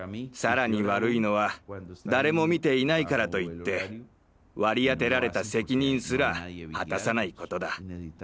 さらに悪いのは誰も見ていないからといって割り当てられた責任すら果たさないことだ。